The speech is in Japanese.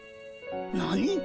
何？